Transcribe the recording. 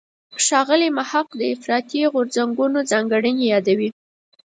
ښاغلی محق د افراطي غورځنګونو ځانګړنې یادوي.